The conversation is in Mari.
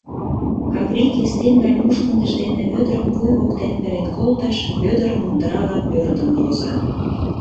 Каври кестен гай мушкындыж дене Вӧдырым вуй воктен перен колтыш, Вӧдыр мундырала пӧрдын возо.